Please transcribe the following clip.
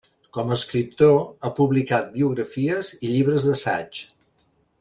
Com a escriptor, ha publicat biografies i llibres d'assaig.